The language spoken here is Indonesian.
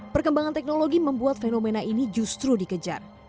perkembangan teknologi membuat fenomena ini justru dikejar